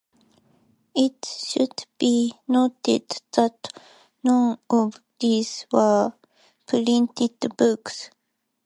It should be noted that none of these were printed books.